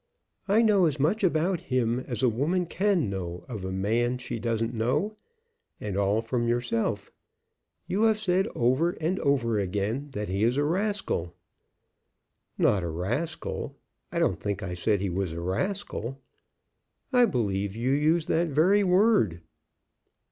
"I know as much about him as a woman can know of a man she doesn't know, and all from yourself. You have said over and over again that he is a 'rascal!'" "Not a rascal. I don't think I said he was a rascal." "I believe you used that very word."